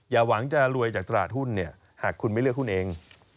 หวังจะรวยจากตลาดหุ้นเนี่ยหากคุณไม่เลือกหุ้นเอง